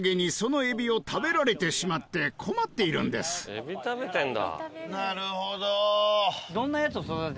エビ食べてんだ。